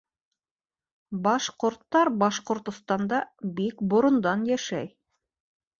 Башҡорттар Башҡортостанда бик борондан йәшәй